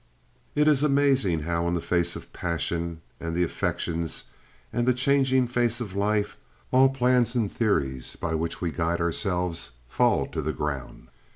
It is amazing how in the face of passion and the affections and the changing face of life all plans and theories by which we guide ourselves fall to the ground.